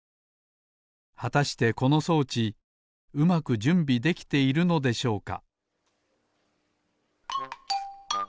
はたしてこの装置うまくじゅんびできているのでしょうか？